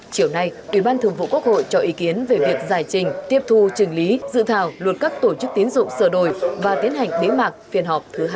chiều nay ủy ban thường vụ quốc hội cho ý kiến về việc giải trình tiếp thu trình lý dự thảo luật các tổ chức tiến dụng sửa đổi và tiến hành bế mạc phiên họp thứ hai mươi